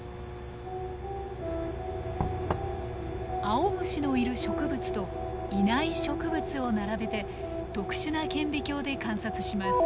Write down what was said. アオムシのいる植物といない植物を並べて特殊な顕微鏡で観察します。